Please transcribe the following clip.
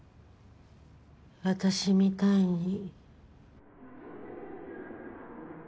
私みたいに。